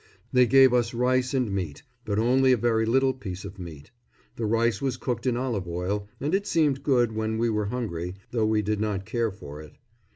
They gave us rice and meat, but only a very little piece of meat. The rice was cooked in olive oil, and it seemed good when we were hungry, though we did not care for it.